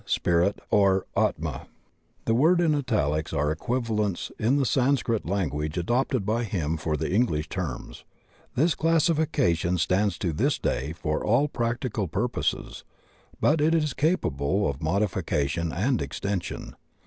Spirit, or >4rma. The words in italics are equivalents in the Sanscrit language adopted by him for the En^sh terms. This classification stands to this day for all practical pur poses, but it is capable of modification and extension.